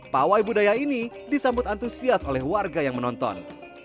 pawai budaya ini disambut antusias oleh warga yang menonton